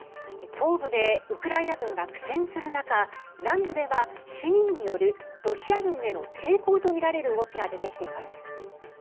東部でウクライナ軍が苦戦する中南部では市民によるロシア軍への抵抗とみられる動きが出てきています。